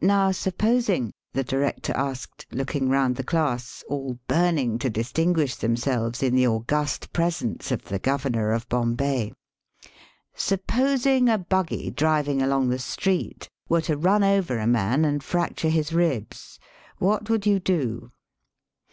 "Now supposing," the director asked^ Digitized by VjOOQIC 186 EAST BY WEST, looking round the class, all burning to dis tinguish themselves in the august presence of the Governor of Bombay, ''supposing a buggy driving along the street were to run over a man and fracture his ribs, what would you do?"